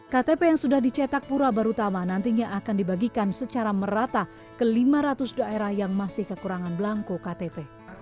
ktp yang sudah dicetak pura barutama nantinya akan dibagikan secara merata ke lima ratus daerah yang masih kekurangan belangko ktp